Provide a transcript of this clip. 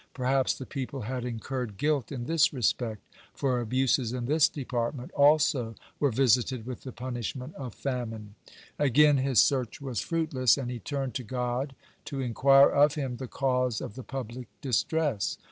Perhaps the people had incurred guilt in this respect, for abuses in this department also were visited with the punishment of famine. (112) Again his search was fruitless, and he turned to God to inquire of Him the cause of the public distress.